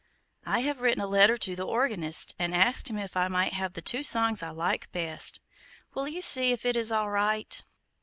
I have written a letter to the organist, and asked him if I might have the two songs I like best. Will you see if it is all right?"